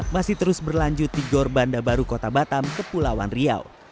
masih terus berlanjut di gor banda baru kota batam kepulauan riau